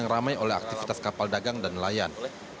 dan yang ramai oleh aktivitas kapal dagang dan nelayan